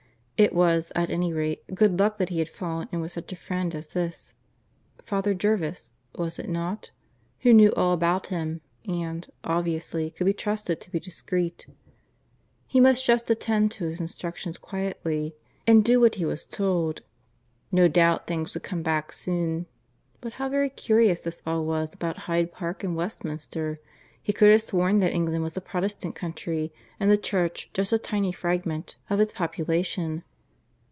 It was, at any rate, good luck that he had fallen in with such a friend as this Father Jervis, was it not? who knew all about him, and, obviously, could be trusted to be discreet. He must just attend to his instructions quietly then, and do what he was told. No doubt things would come back soon. But how very curious this all was about Hyde Park and Westminster. He could have sworn that England was a Protestant country, and the Church just a tiny fragment of its population.